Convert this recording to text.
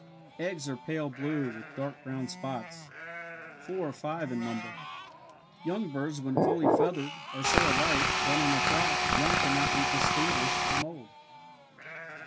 Eggs are pale blue with dark brown spots. Four or five in number. Young birds when fully feathered are so alike that in a flock young cannot be distinguished from old.